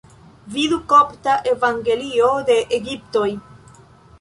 Vidu Kopta Evangelio de Egiptoj.